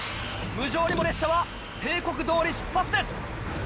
無情にも列車は定刻どおり出発です。